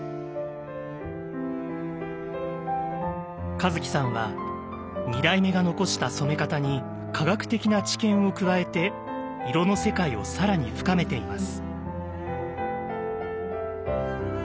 和樹さんは２代目が残した染め方に科学的な知見を加えて色の世界を更に深めています。